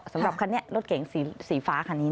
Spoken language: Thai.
สำหรับคันนี้รถเก๋งสีฟ้าคันนี้